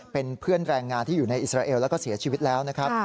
เป็นเพื่อนแรงงานที่อยู่ในอิสราเอลแล้วก็เสียชีวิตแล้วนะครับ